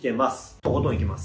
とことんいきます。